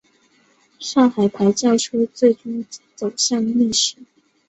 上海牌轿车最终走向历史。